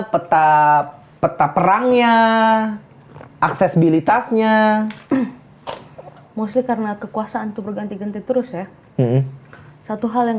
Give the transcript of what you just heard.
peta peta perangnya aksesibilitasnya maksudnya karena kekuasaan itu berganti ganti terus ya satu hal yang